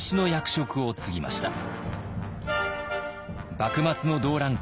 幕末の動乱期